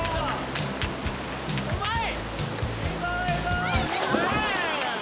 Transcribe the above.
うまい！